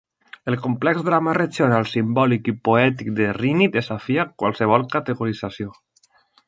El complex drama regional simbòlic i poètic de Reaney desafia qualsevol categorització.